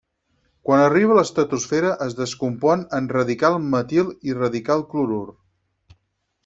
Quan arriba a l’estratosfera es descompon en radical metil i radical clorur.